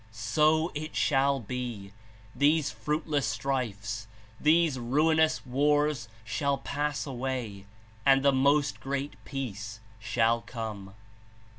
So it shall be; these fruitless strifes, these ruinous wars shall pass away, and the 'Most Great Peace' shall come."